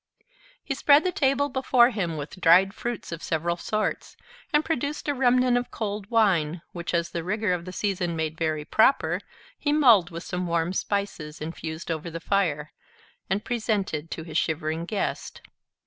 He spread the table before him with dried fruits of several sorts; and produced a remnant of cold wine, which as the rigor of the season made very proper, he mulled with some warm spices, infused over the fire, and presented to his shivering guest.